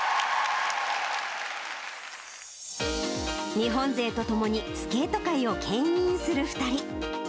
日本勢と共にスケート界をけん引する２人。